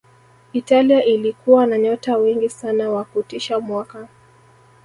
italia ilikuwa na nyota wengi sana wa kutisha mwaka